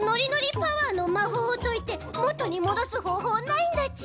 パワーのまほうをといてもとにもどすほうほうはないんだち？